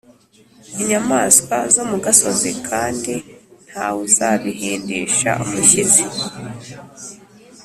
inyamaswa zo mu gasozi, kandi nta wuzabihindisha umushyitsi